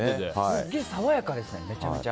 すげえ爽やかですねめちゃめちゃ。